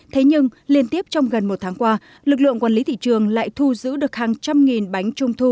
thế nhưng liên tiếp trong gần một tháng qua lực lượng quản lý thị trường lại thu giữ được hàng trăm nghìn bánh trung thu